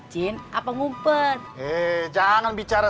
kita harus berhenti disana